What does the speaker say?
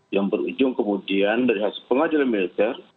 yang berujung kemudian dari hasil pengadilan militer